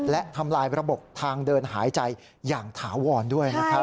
และทำลายระบบทางเดินหายใจอย่างถาวรด้วยนะครับ